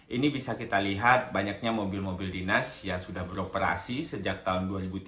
ini bisa kita lihat banyaknya mobil mobil dinas yang sudah beroperasi sejak tahun dua ribu tiga belas